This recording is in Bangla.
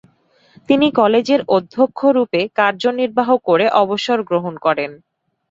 তিনি কলেজের অধ্যক্ষ রুপে কার্যনির্বাহ করে অবসর গ্রহণ করেন।